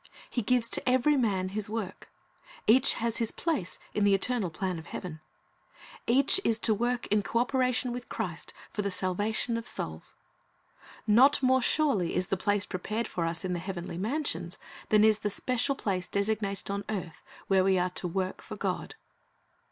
He gives "to every man his work." Each has his place in the eternal plan of heaven. Each is to work in co operation with Christ for the salvation 1 R. V. 2 I Cor. 6 : 20 ; i Peter i : 18, 19 ; 2 Cor. 5 : 15 Talc II t s 327 of souls. Not more surely is the place prepared for us in the heavenly mansions than is the special place designated on earth where we are to work for God.